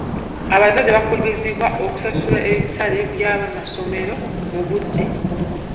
Abazadde baakubiriziddwa okusasula ebisale by'essomero mu budde.